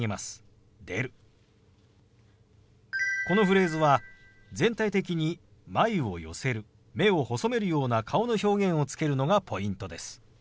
このフレーズは全体的に眉を寄せる目を細めるような顔の表現をつけるのがポイントです。